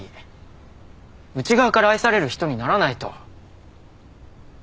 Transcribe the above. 内側から愛される人にならないと。